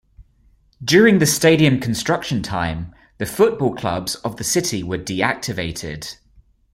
During the stadium construction time, the football clubs of the city were deactivated.